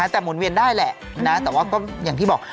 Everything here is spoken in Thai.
แต่หมุนเวียนได้แหละนะแต่ว่าก็อย่างที่บอก